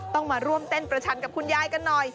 ต้องมาร่วมเต้นประชันกับคุณยายกันหน่อย